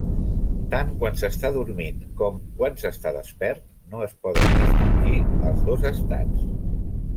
Tant quan s'està dormint, com quan s'està despert, no es poden distingir els dos estats.